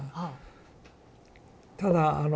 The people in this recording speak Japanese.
ただあの